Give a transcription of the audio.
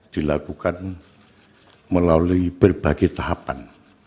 dilakukan melalui berbagai tahapan